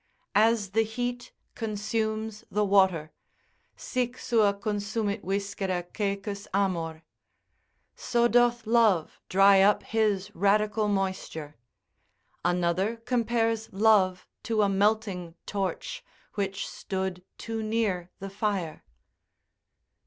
As the heat consumes the water, Sic sua consumit viscera coecus amor, so doth love dry up his radical moisture. Another compares love to a melting torch, which stood too near the fire.